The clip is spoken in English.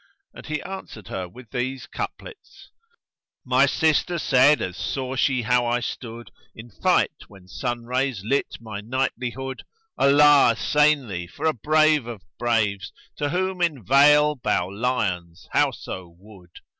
And he answered her with these couplets, "My sister said, as saw she how I stood * In fight, when sun rays lit my knightlihood 'Allah assain thee for a Brave of braves * To whom in vale bow lions howso wood!'